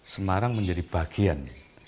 semarang menjadi bagian